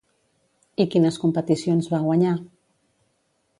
I quines competicions va guanyar?